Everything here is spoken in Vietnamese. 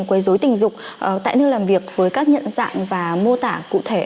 quấy dối tình dục tại nơi làm việc với các nhận dạng và mô tả cụ thể